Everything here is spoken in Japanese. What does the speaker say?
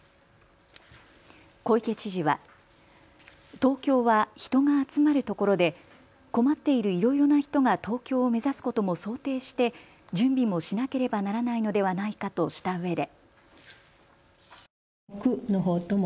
小池知事は東京は人が集まるところで困っているいろいろな人が東京を目指すことも想定して準備もしなければならないのではないかとしたうえで。